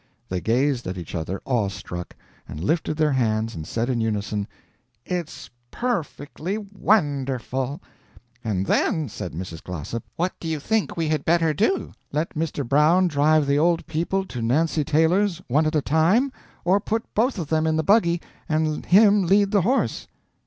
They gazed at each other awe struck, and lifted their hands and said in unison: "It's per fectly wonderful." "And then," said Mrs. Glossop, "what do you think we had better do let Mr. Brown drive the Old People to Nancy Taylor's one at a time, or put both of them in the buggy, and him lead the horse?"